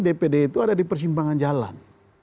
dpd itu ada di persimpangan jalan